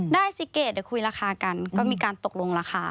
ซิเกจเดี๋ยวคุยราคากันก็มีการตกลงราคา